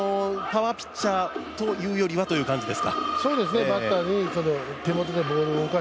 パワーピッチャーというよりはという感じでしょうか。